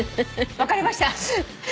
分かりました。